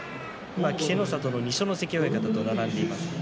稀勢の里の二所ノ関親方と並んでいます。